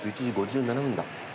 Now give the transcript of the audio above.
１１時５７分だ。